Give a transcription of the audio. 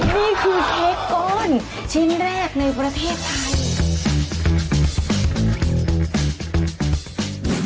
นี่คือเค้กก้อนชิ้นแรกในประเทศไทย